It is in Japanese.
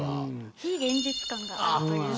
非現実感があるというか。